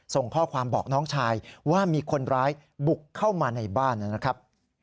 ส่งข้อความบอกน้องชายว่ามีคนร้ายบุกเข้ามาในบ้านนะครับ